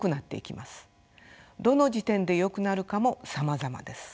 どの時点でよくなるかもさまざまです。